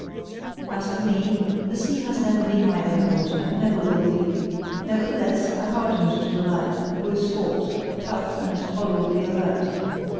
As for me, the sea has never been my element, and never will be; nevertheless, I hardened to the life, grew salt, tough, and tolerably alert.